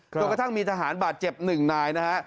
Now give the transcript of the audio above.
โดยกระทั่งมีทหารบาดเจ็บ๑นายนะฮะ